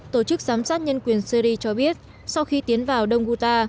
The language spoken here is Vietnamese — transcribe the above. tổ chức giám sát nhân quyền syri cho biết sau khi tiến vào đông guta